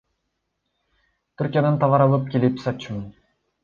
Түркиядан товар алып келип сатчумун.